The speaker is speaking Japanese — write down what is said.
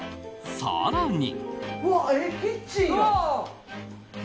更に。